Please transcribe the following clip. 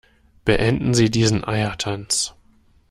Beenden Sie diesen Eiertanz!